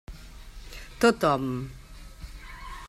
Tothom.